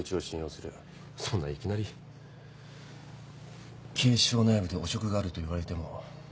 そんないきなり警視庁内部で汚職があると言われても。